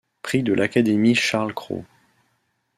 Prix de l'Académie Charles Cros.